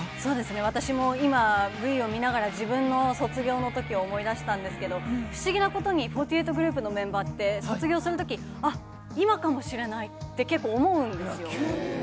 私も今、ＶＴＲを見ながら自分の卒業のときを思い出したんですけれども、不思議なことに４８グループのメンバーって卒業するとき、今かもしれないって結構、思うんですよ。